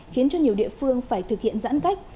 khiến cho nhiều địa phương phải thực hiện giãn cách